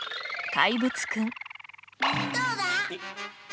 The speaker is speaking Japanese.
「怪物くん」。